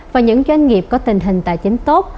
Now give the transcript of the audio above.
và những doanh nghiệp có tình hình tài chính tốt